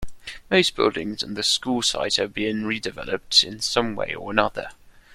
Most buildings on the school site are being redeveloped in some way or another.